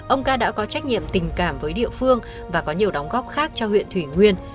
ông ca đã có trách nhiệm tình cảm với địa phương và có nhiều đóng góp khác cho huyện thủy nguyên